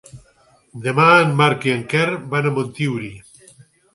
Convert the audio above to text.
Demà en Marc i en Quer van a Montuïri.